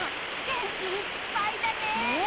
元気いっぱいだね！